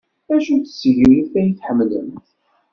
D acu-tt tsegrit ay tḥemmlemt?